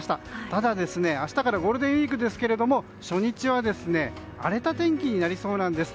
ただ、明日からゴールデンウィークですけども初日は荒れた天気になりそうなんです。